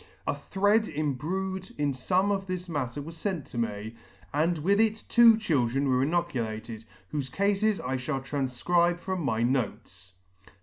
A thread im brued in fome of this matter was fent to me, and with it two children were inoculated, whofe Cafes I fhall tranfcribe from my notes.